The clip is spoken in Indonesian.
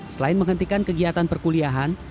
selain menghentikan kegiatan perkuliahan